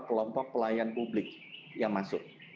kelompok pelayan publik yang masuk